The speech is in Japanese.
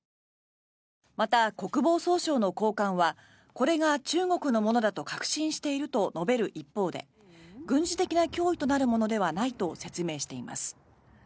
また、国防総省の高官はこれが中国のものだと確信していると述べる一方で軍事的な脅威となるものではないと説明しています。